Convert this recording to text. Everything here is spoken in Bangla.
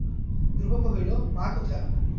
ধ্রুব কহিল, মা কোথায়?